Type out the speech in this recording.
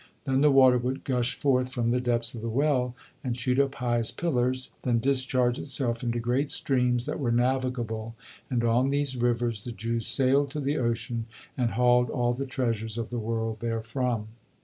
Then the water would gush forth from the depths of the well, and shoot up high as pillars, then discharge itself into great streams that were navigable, and on these rivers the Jews sailed to the ocean, and hauled all the treasures of the world therefrom.